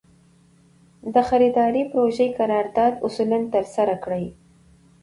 د خریدارۍ پروژې قرارداد اصولاً ترسره کړي.